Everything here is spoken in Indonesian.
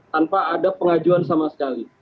tanpa ada pengajuan sama sekali